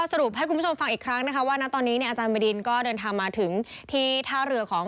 สรุปให้คุณผู้ชมฟังอีกครั้งนะคะว่าณตอนนี้เนี่ยอาจารย์บดินก็เดินทางมาถึงที่ท่าเรือของ